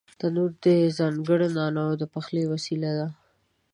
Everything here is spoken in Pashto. تنور د ځانگړو نانو د پخلي وسیله ده